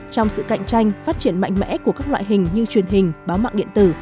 trong sự cạnh tranh phát triển mạnh mẽ của các loại hình như truyền hình báo mạng điện tử